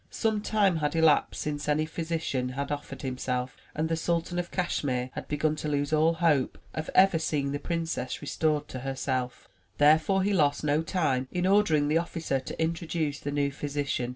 Some time had elapsed since any physician had offered himself; and the Sultan of Cashmere had begim to lose all hope of ever seeing the princess restored to 52 THE TREASURE CHEST herself. Therefore he lost no time in ordering the officer to introduce the new physician.